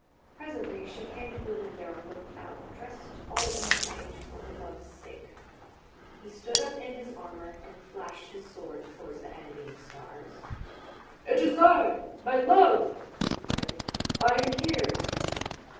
Presently she came to the window and looked out, dressed all in white for her love's sake. He stood up in his armour and flashed his sword towards the envying stars. " It is I, my love 1 " he cried. " I am here."